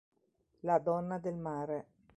La donna del mare